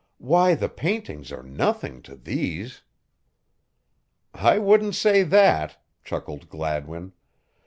"Why the paintings are nothing to these!" "I wouldn't say that," chuckled Gladwin.